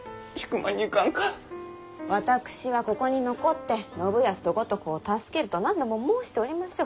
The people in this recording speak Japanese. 私はここに残って信康と五徳を助けると何度も申しておりましょう。